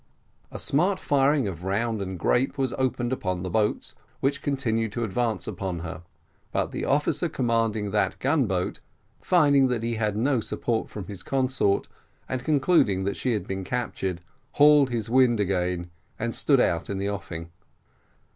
A smart firing of round and grape was opened upon the boats, which continued to advance upon her; but the officer commanding the gun boat, finding that he had no support from his consort, and concluding that she had been captured, hauled his wind again, and stood out in the offing.